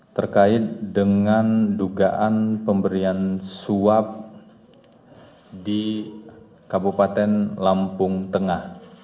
terkait dengan dugaan pemberian suap di kabupaten lampung tengah